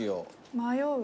迷う。